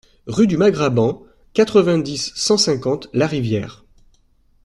Rue du Margrabant, quatre-vingt-dix, cent cinquante Larivière